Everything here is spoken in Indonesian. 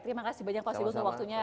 terima kasih banyak pak sibu untuk waktunya